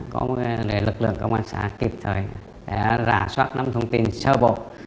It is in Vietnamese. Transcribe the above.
có lực lượng công an xã kịp thời rà soát nắm thông tin sơ bộ